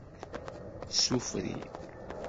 Tsufri.